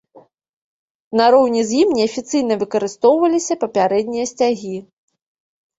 Нароўні з ім неафіцыйна выкарыстоўваліся папярэднія сцягі.